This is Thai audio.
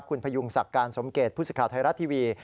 คุณพยุงศักดิ์การสมเกตผู้สิทธิ์ไทยรัฐทีวี